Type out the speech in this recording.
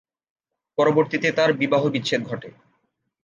পরবর্তিতে তার বিবাহবিচ্ছেদ ঘটে।